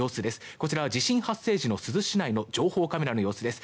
こちらは地震発生時の珠洲市内の情報カメラの様子です。